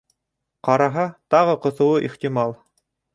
Ҡараһа, тағы ҡоҫоуы ихтимал...